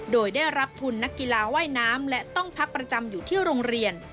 โดยได้รับทุนนักกีฬาว่ายน้ำและต้องพักประจำอยู่ที่โรงเรียน